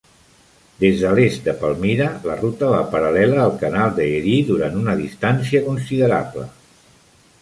Des de l'est de Palmyra, la ruta va paral·lela al canal de Erie durant una distància considerable.